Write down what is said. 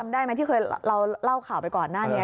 ได้ไหมที่เคยเราเล่าข่าวไปก่อนหน้านี้